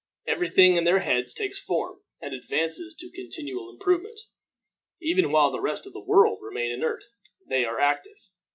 Every thing in their hands takes form, and advances to continual improvement. Even while the rest of the world remain inert, they are active.